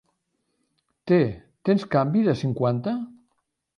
Té, tens canvi de cinquanta?